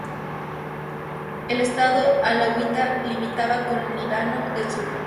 El estado alauita limitaba con el Líbano al sur.